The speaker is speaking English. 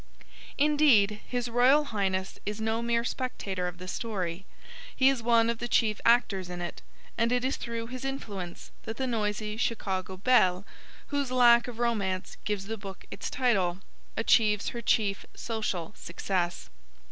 Indeed, His Royal Highness is no mere spectator of the story; he is one of the chief actors in it, and it is through his influence that the noisy Chicago belle, whose lack of romance gives the book its title, achieves her chief social success.